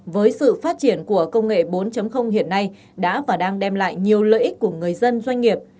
với sự phát triển của công nghệ bốn hiện nay đã và đang đem lại nhiều lợi ích của người dân doanh nghiệp